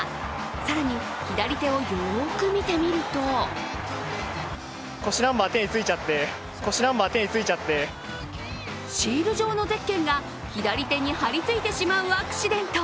更に左手をよーく見てみるとシール状のゼッケンが左手に貼りついてしまうアクシデント。